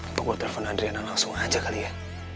apa gue telepon adriana langsung aja kali ya